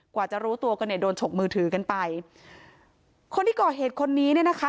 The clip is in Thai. กว่าจะรู้ตัวกันเนี่ยโดนฉกมือถือกันไปคนที่ก่อเหตุคนนี้เนี่ยนะคะ